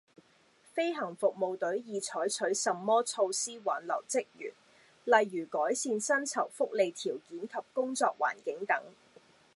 飛行服務隊已採取甚麼措施挽留職員，例如改善薪酬福利條件及工作環境等